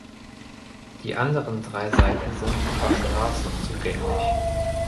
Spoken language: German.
Die anderen drei Seiten sind über Straßen zugänglich.